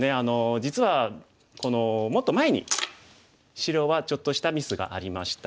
実はこのもっと前に白はちょっとしたミスがありました。